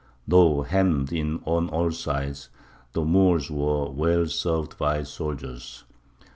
Though hemmed in on all sides, the Moors were well served by soldiers.